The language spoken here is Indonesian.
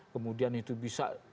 kemudian itu bisa